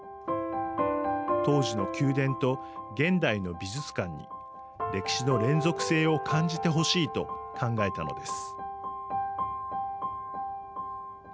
当時の宮殿と現代の美術館に歴史の連続性を感じてほしいと考えたのです。